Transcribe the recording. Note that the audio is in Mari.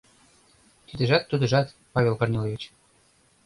— Тидыжат-тудыжат, Павел Корнилович.